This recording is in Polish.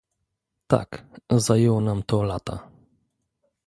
Tak, zajęło nam to lata